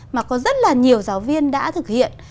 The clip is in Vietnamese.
mà có rất là nhiều giáo viên đã thực hiện